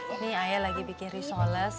ini ayah lagi bikin resoles